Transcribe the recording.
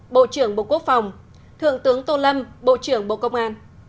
bộ trưởng bộ quốc phòng thượng tướng tô lâm bộ trưởng bộ công an